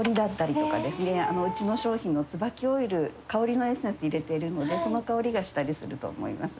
うちの商品のつばきオイル香りのエッセンス入れてるのでその香りがしたりすると思います。